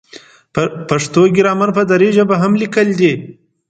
پښتو ګرامر په دري ژبه هم لیکلی دی.